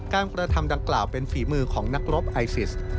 กระทำดังกล่าวเป็นฝีมือของนักรบไอซิส